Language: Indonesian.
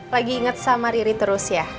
lagi inget sama riri terus ya